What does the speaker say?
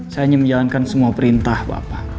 saya hanya menjalankan semua perintah bapak